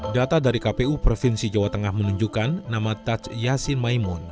data dari kpu provinsi jawa tengah menunjukkan nama taj yassin maimun